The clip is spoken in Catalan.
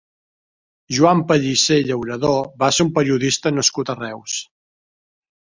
Joan Pellicer Llauradó va ser un periodista nascut a Reus.